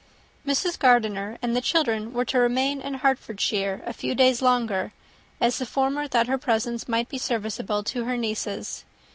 Mrs. Gardiner and the children were to remain in Hertfordshire a few days longer, as the former thought her presence might be serviceable to her nieces.